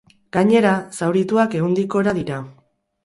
Gainera, zaurituak ehundik gora dira.